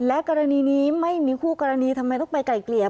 และกรณีนี้ไม่มีคู่กรณีทำไมต้องไปไกลเกลี่ย